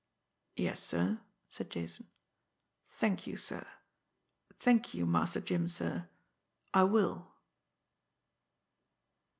"Yes, sir," said Jason. "Thank you, sir. Thank you, Master Jim, sir I will."